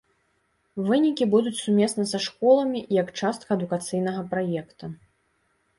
Вынікі будуць сумесна са школамі як частка адукацыйнага праекта.